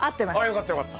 よかったよかった。